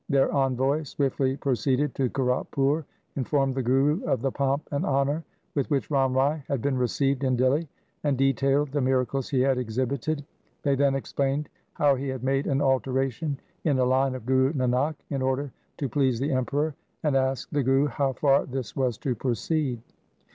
Their envoy swiftly pro ceeded to Kiratpur, informed the Guru of the pomp and honour with which Ram Rai had been received in Dihli, and detailed the miracles he had exhibited. They then explained how he had made an alteration in a line of Guru Nanak in order to please the Emperor, and asked the Guru how far this was to proceed.